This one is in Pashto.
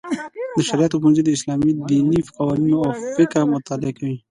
د شرعیاتو پوهنځی د اسلامي دیني قوانینو او فقه مطالعه کوي.